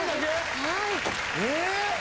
えっ！？